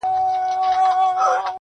د ګوربت او د بازانو به مېله سوه٫